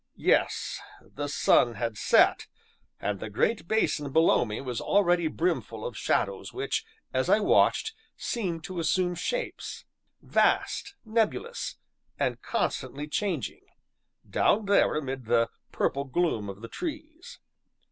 Yes, the sun had set, and the great basin below me was already brimful of shadows which, as I watched, seemed to assume shapes vast, nebulous, and constantly changing down there amid the purple gloom of the trees.